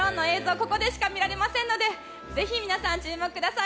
ここでしか見られませんのでぜひ皆さん、注目してください。